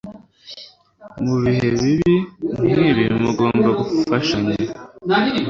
Mu bihe bibi nkibi mugomba gufashanya